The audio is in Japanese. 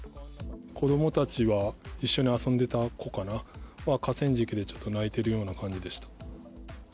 子どもたちは一緒に遊んでた子かな、河川敷でちょっと泣いているような感じでした。